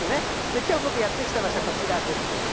きょう、僕やって来た場所、こちらです。